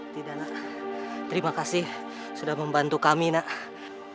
tidak nak terima kasih sudah membantu kami nak